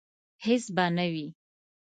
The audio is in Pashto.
هیڅ به نه وي